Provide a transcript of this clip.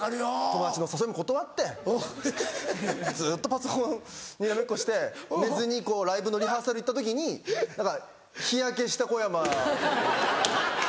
友達の誘いも断ってずっとパソコンにらめっこして寝ずにライブのリハーサル行った時に日焼けした小山。